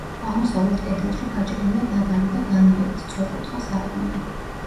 აღმოსავლეთ კედელში გაჭრილია დაბალი და განიერი, სწორკუთხა სარკმელი.